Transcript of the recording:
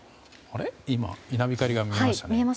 今、稲光が見えましたね。